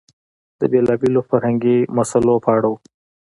د بېلابېلو فرهنګي مسئلو په اړه و.